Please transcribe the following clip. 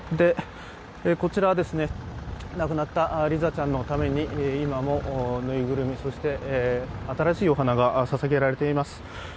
こちら亡くなったリザちゃんのために今もぬいぐるみ、そして新しいお花がささげられています。